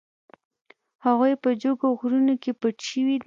هغوی په جګو غرونو کې پټ شوي دي.